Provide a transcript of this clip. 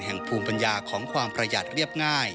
แห่งภูมิปัญญาของความประหยัดเรียบง่าย